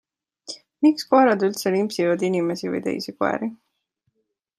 Miks koerad üldse limpsivad inimesi või teisi koeri?